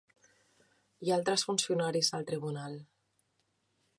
Hi ha altres funcionaris del tribunal.